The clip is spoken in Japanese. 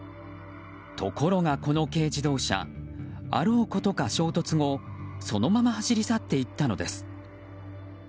ところがこの軽自動車あろうことか衝突後そのまま走っていったのです。